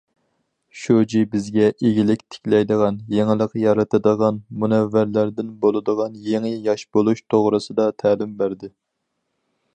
شۇجى بىزگە ئىگىلىك تىكلەيدىغان، يېڭىلىق يارىتىدىغان مۇنەۋۋەرلەردىن بولىدىغان يېڭى ياش بولۇش توغرىسىدا تەلىم بەردى.